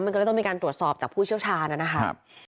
มันก็เลยต้องมีการตรวจสอบจากผู้เชี่ยวชาญนะครับ